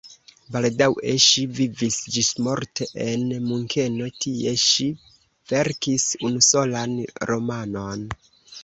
Baldaŭe ŝi vivis ĝismorte en Munkeno, tie ŝi verkis unusolan romanon.